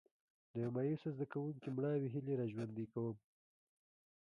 د یو مایوسه زده کوونکي مړاوې هیلې را ژوندي کوم.